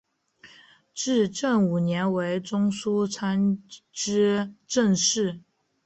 至正五年为中书参知政事。